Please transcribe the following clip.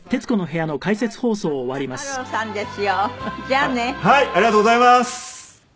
ありがとうございます。